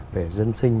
về dân sinh